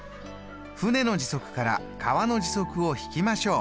舟の時速から川の時速を引きましょう。